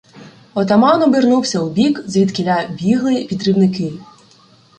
Отаман обернувся у бік, звідкіля бігли підривники.